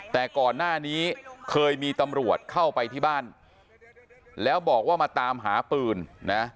แต่ก่อนหน้านี้เคยมีตำรวจเข้าไปที่บ้านแล้วบอกว่ามาตามหาปืนนะ